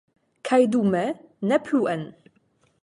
Kaj dume, nu pluen!